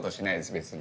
別に。